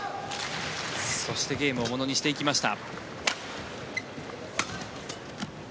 そしてゲームをものにしていきました。